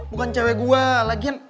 bukan cewek gue lagian